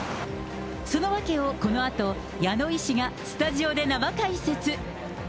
その訳をこのあと、矢野医師がスタジオで生解説。